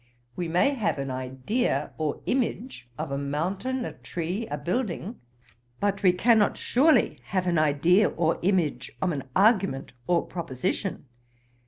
We may have an idea or image of a mountain, a tree, a building; but we cannot surely have an idea or image of an argument or proposition.